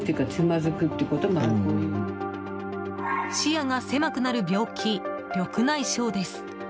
視野が狭くなる病気緑内障です。